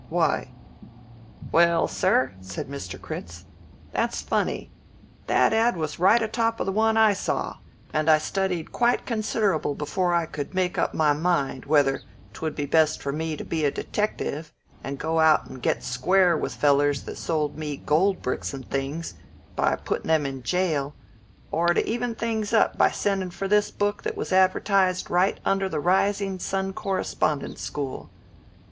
Why?" "Well, sir," said Mr. Critz, "that's funny. That ad. was right atop of the one I saw, and I studied quite considerable before I could make up my mind whether 'twould be best for me to be a detective and go out and get square with the fellers that sold me gold bricks and things by putting them in jail, or to even things up by sending for this book that was advertised right under the 'Rising Sun Correspondence School.'